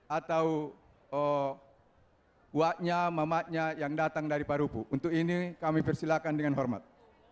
atau waknya mamatnya yang datang dari parupu untuk ini kami persilahkan dengan hormat